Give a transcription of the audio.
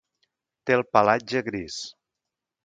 Té el pelatge gris.